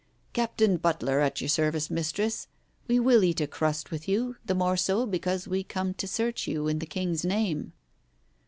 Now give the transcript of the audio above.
"Captain Butler at your service, Mistress. We will eat a crust with you, the more go because we come to search you in the King's name."